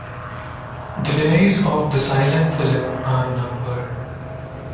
The days of the silent film are numbered.